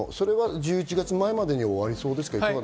１１月前までに終わりそうですか？